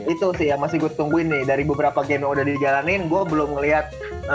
itu sih yang masih gue tungguin nih dari beberapa game yang udah dijalanin gue belum ngeliat